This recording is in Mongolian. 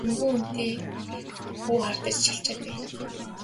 Гэмгүй хүнтэй бүү хардаж чалчаад бай!